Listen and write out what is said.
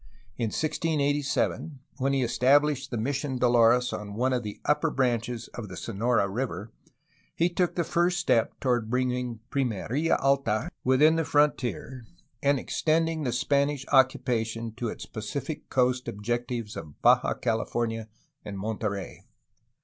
In 1687, when he established the mission Dolores on one of the upper branches of the Sonora River, he took the first step toward bringing Pimerla Alta within the frontier and extending the Spanish occupation to its Pacific coast objectives of Baja California and Monterey.